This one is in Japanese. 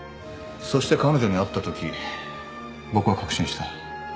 そして彼女に会ったとき僕は確信した。